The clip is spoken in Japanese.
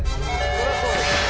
そりゃそうですよね。